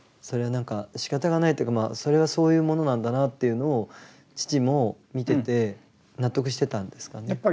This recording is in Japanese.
それはなんかしかたがないというかそういうものなんだなっていうのを父も見てて納得してたんですかね。